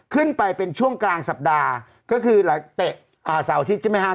ขึ้นไปเป็นช่วงกลางสัปดาห์ก็คือเตะเสาอาทิตย์ชมิฮา